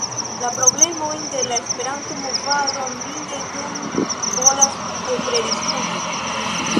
La problemojn de la Esperanto-movado mi ne nun volas ekrediskuti.